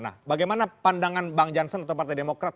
nah bagaimana pandangan bang jansen atau partai demokrat